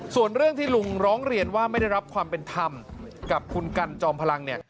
ส่วนเรื่องที่ลุงร้องเรียนว่าไม่ได้รับความเป็นธรรมกับคุณกันจอมพลังเนี่ย